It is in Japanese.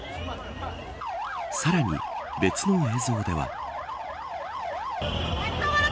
さらに別の映像では。